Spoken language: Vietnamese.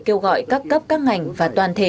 kêu gọi các cấp các ngành và toàn thể